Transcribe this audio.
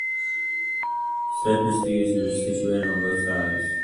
Sacristies are situated on both sides.